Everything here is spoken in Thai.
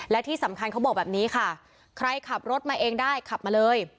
และที่สำคัญเขาบอกแบบนี้ค่ะใครขับรถมาเองได้ขับมาเลย